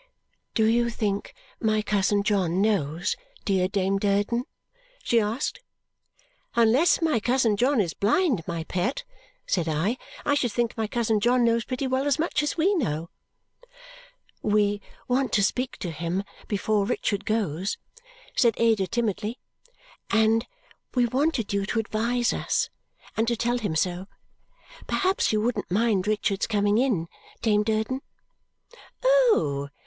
"Do you think my cousin John knows, dear Dame Durden?" she asked. "Unless my cousin John is blind, my pet," said I, "I should think my cousin John knows pretty well as much as we know." "We want to speak to him before Richard goes," said Ada timidly, "and we wanted you to advise us, and to tell him so. Perhaps you wouldn't mind Richard's coming in, Dame Durden?" "Oh!